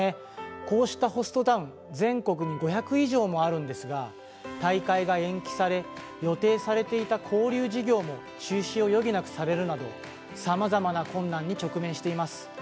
こうしたホストタウン全国に５００以上もあるんですが大会が延期され予定されていた交流行事も中止を余儀なくされるなどさまざまな困難に直面しています。